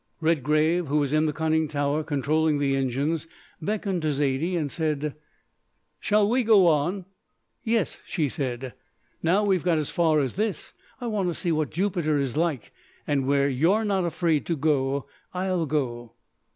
Redgrave, who was in the conning tower controlling the engines, beckoned to Zaidie and said: "Shall we go on?" "Yes," she said. "Now we've got as far as this I want to see what Jupiter is like, and where you are not afraid to go, I'll go."